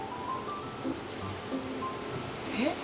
えっ！？